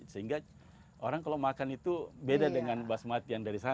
sehingga orang kalau makan itu beda dengan basmati yang dari sana